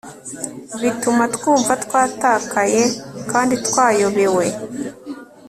bituma twumva twatakaye kandi twayobewe